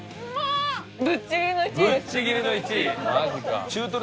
ぶっちぎりの１位。